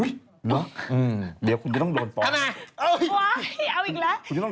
เหยียบคุณจะต้องโดนฟ้อง